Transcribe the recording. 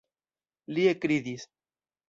Li ekridis.